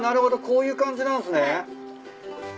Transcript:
こういう感じなんすね。